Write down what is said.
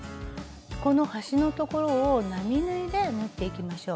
この端の所を並縫いで縫っていきましょう。